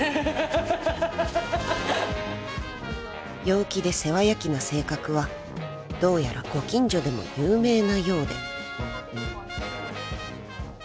［陽気で世話焼きな性格はどうやらご近所でも有名なようで］